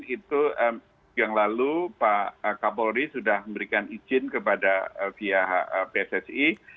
itu yang lalu pak kapolri sudah memberikan izin kepada via pssi